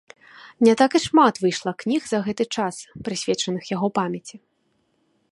Не так і шмат выйшла кніг за гэты час, прысвечаных яго памяці.